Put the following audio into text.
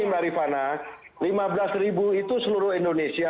ini mbak rifana lima belas itu seluruh indonesia